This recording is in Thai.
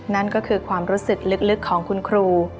นั่นก็คือความรู้สึกลึกของคุณครู